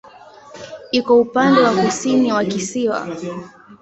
Iko upande wa kusini wa kisiwa.